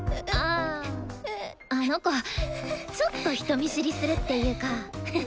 ああの子ちょっと人見知りするっていうか。